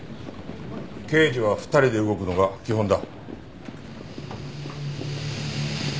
刑事は２人で動くのが基本だ。